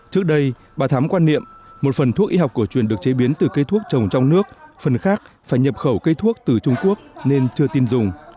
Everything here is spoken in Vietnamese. trước đây bà thám quan niệm một phần thuốc y học cổ truyền được chế biến từ cây thuốc trồng trong nước phần khác phải nhập khẩu cây thuốc từ trung quốc nên chưa tin dùng